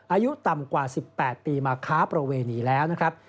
อายุต่ำกว่า๑๘ปีมาค้าประเวณีแล้วนะครับ